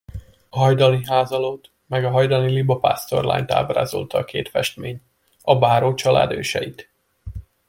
A hajdani házalót meg a hajdani libapásztorlányt ábrázolta a két festmény, a bárócsalád őseit.